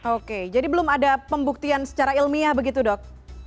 oke jadi belum ada pembuktian secara ilmiah begitu dok